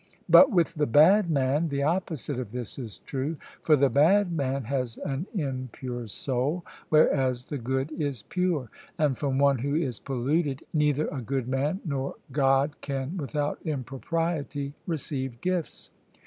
But with the bad man, the opposite of this is true: for the bad man has an impure soul, whereas the good is pure; and from one who is polluted, neither a good man nor God can without impropriety receive gifts.